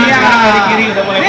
sekarang dari kiri